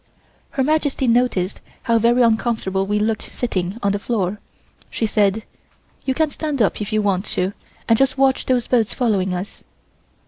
Her Majesty noticed how very uncomfortable we looked sitting on the floor. She said: "You can stand up if you want to and just watch those boats following us."